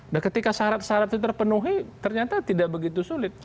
nah ketika syarat syarat itu terpenuhi ternyata tidak begitu sulit